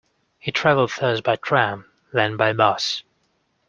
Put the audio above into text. He travelled first by tram, then by bus